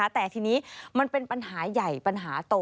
แต่ทีนี้มันเป็นปัญหาใหญ่ปัญหาโต